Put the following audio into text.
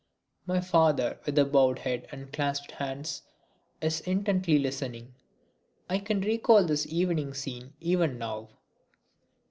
My father with bowed head and clasped hands is intently listening. I can recall this evening scene even now.